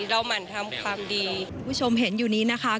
หมั่นทำความดีคุณผู้ชมเห็นอยู่นี้นะคะ